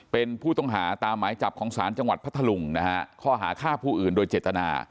เป็นผู้ตรงหาตามหมายจับของศานจพทลุงข้อหาฆ่าผู้อื่นโดยเจตนา